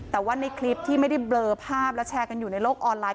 แต่ว่าในคลิปที่ไม่ได้เบลอภาพและแชร์กันอยู่ในโลกออนไลน